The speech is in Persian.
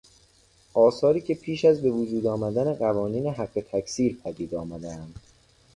آثاری که پیش از بهوجود آمدن قوانین حق تکثیر پدید آمدهاند.